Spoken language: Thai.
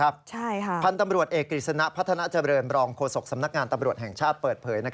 พันธุ์ตำรวจเอกกฤษณะพัฒนาเจริญรองโฆษกสำนักงานตำรวจแห่งชาติเปิดเผย